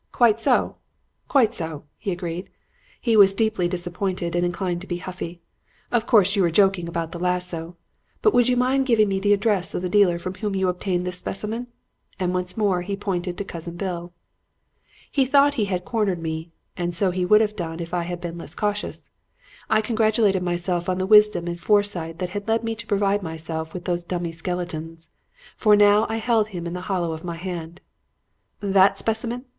"'Quite so, quite so,' he agreed. He was deeply disappointed and inclined to be huffy. 'Of course you were joking about the lasso. But would you mind giving me the address of the dealer from whom you obtained this specimen?' And once more he pointed to Cousin Bill. "He thought he had cornered me; and so he would have done if I had been less cautious. I congratulated myself on the wisdom and foresight that had led me to provide myself with those dummy skeletons. For now I held him in the hollow of my hand. "'That specimen?'